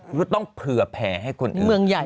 ไม่ต้องเผื่อแพ้ให้คนอื่น